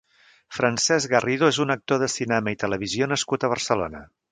Francesc Garrido és un actor de cinema i televisió nascut a Barcelona.